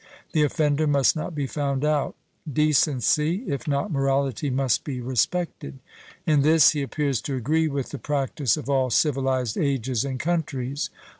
The offender must not be found out; decency, if not morality, must be respected. In this he appears to agree with the practice of all civilized ages and countries.